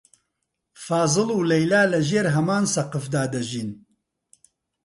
فازڵ و لەیلا لەژێر هەمان سەقفدا دەژیان.